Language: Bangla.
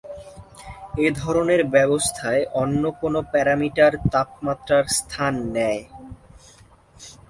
এ ধরনের ব্যবস্থায় অন্য কোনো প্যারামিটার তাপমাত্রার স্থান নেয়।